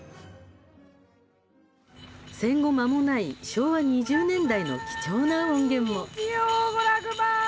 戦後まもない昭和２０年代の貴重な音源も。